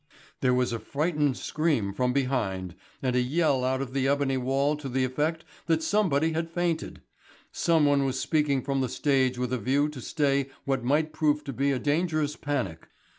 There was a frightened scream from behind, and a yell out of the ebony wall to the effect that somebody had fainted. Someone was speaking from the stage with a view to stay what might prove to be a dangerous panic.